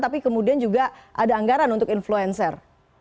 tapi kemudian juga ada anggaran untuk influencer